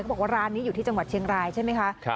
บอกว่าร้านนี้อยู่ที่จังหวัดเชียงรายใช่ไหมคะ